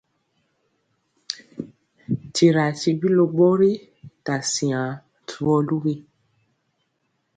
Tyira tibi ló bori ta siaŋ tyumɔ luwi.